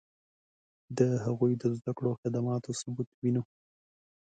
د هغوی د زدکړو او خدماتو ثبوت وینو.